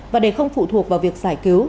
và để không phụ thuộc vào việc giải cứu